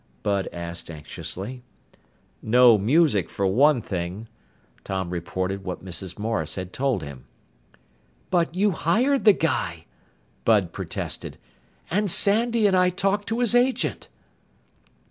Bud asked anxiously. "No music for one thing." Tom reported what Mrs. Morris had told him. "But you hired the guy!" Bud protested. "And Sandy and I talked to his agent!"